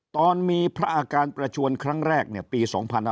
ตอนมีพระอาการประชวนครั้งแรกปี๒๕๕๙